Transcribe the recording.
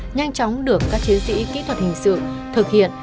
nhanh chóng được các chiến sĩ kỹ thuật hình sự thực hiện